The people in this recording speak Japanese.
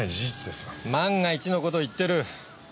万が一の事を言ってる。